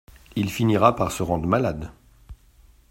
Il finira par se rendre malade !…